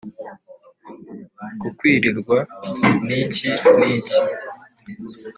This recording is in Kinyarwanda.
kugwirirwa n'iki n'iki